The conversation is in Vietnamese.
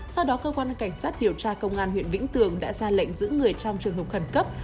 sau đó cơ quan cảnh sát điều tra công an huyện vĩnh tường đã ra lệnh giữ người trong trường hợp khẩn cấp